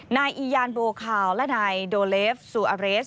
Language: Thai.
นายอียานโบคาวและนายโดเลฟซูอาเรส